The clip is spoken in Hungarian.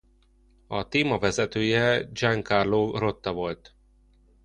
A témavezetője Gian-Carlo Rota volt.